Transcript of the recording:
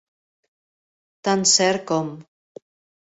Tan cert com...